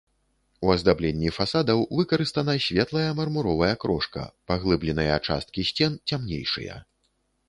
У аздабленні фасадаў выкарыстана светлая мармуровая крошка, паглыбленыя часткі сцен цямнейшыя.